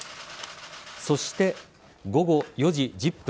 そして午後４時１０分